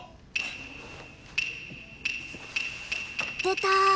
出た！